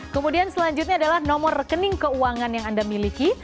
kemudian selanjutnya adalah nomor rekening keuangan yang anda miliki